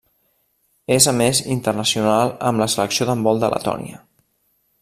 És a més internacional amb la Selecció d'handbol de Letònia.